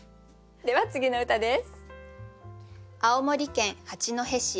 では次の歌です。